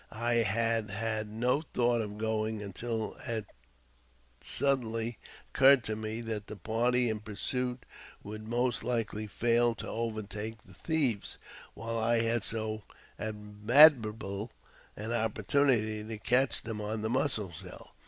I had had no thought of going until it suddenly occurred to me that the party in pursuit would most likely fail to overtake the^l thieves, while I had so admirable an opportunity to catch them "• on the Mussel Shell.